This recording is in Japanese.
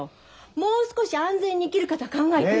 もう少し安全に生きること考えてよ。